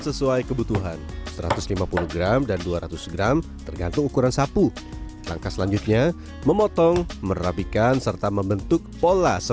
sesuai kebutuhan satu ratus lima puluh gram dan dua ratus gram tergantung ukuran sapu langkah selanjutnya memotong rumput gelagai yang lama dan kering kalau masih baru saat musim panen maka harganya akan turun